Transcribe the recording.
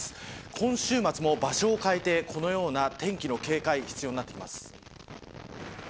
今週末も場所を変えてこのような天気に警戒が必要になってきます。